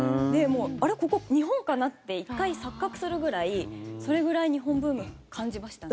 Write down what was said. あれ、ここ日本かな？って１回、錯覚するぐらいそれぐらい日本ブーム感じましたね。